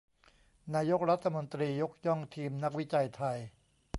นายกรัฐมนตรียกย่องทีมนักวิจัยไทย